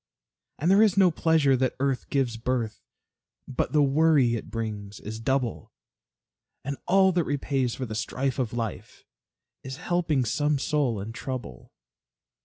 And there is no pleasure that earth gives birth, But the worry it brings is double; And all that repays for the strife of life, Is helping some soul in trouble.